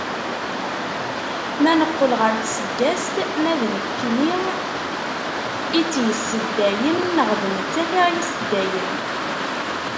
Ma neqqel ɣer tseddast, ma d nekkni i d tt-yesseddayen neɣ d nettat i d aɣ-yesseddayen?